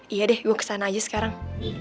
iya deh gue kesana aja sekarang